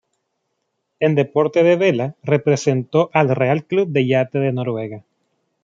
En deporte de vela representó al Real Club de Yate de Noruega.